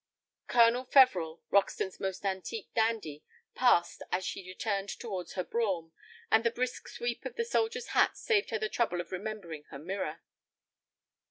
Colonel Feveril, Roxton's most antique dandy, passed as she returned towards her brougham, and the brisk sweep of the soldier's hat saved her the trouble of remembering her mirror.